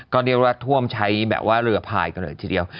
ก็เรียกว่าท่วมใช้แบบว่าเรือพายกันเลยทีเดียว